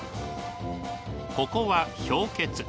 ここは氷穴。